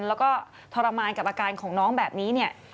แล้วก็ทรมานกับอาการของน้องแบบนี้เนี่ย